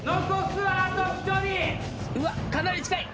うわかなり近い。